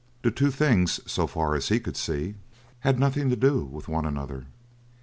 The two things, so far as he could see, had nothing to do with one another.